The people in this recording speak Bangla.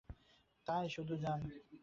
তাই শুধু যান!